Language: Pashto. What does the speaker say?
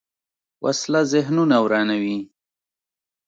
وسله ذهنونه ورانوي